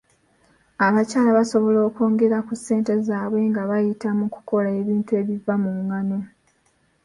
Abakyala basobola okwongera ku ssente zaabwe nga bayita mu kukola ebintu ebiva mu ngano.